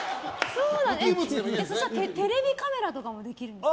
そしたら、テレビカメラとかもできるんですか？